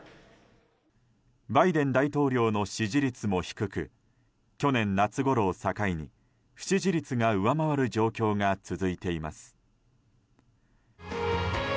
バイデン大統領の支持率も低く去年夏ごろを境に不支持率が上回る状況が続いています。